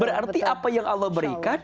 berarti apa yang allah berikan